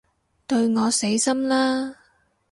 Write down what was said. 對我死心啦